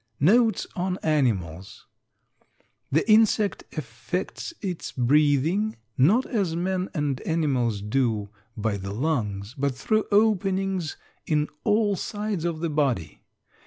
NOTES ON ANIMALS. The insect effects its breathing, not as men and animals do, by the lungs, but through openings in all sides of the body.